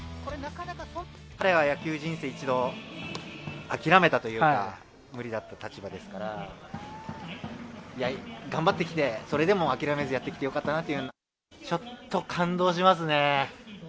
彼は野球人生を一度諦めたというか、頑張ってきて、それでも諦めずやってきてよかったなと、ちょっと感動しますね。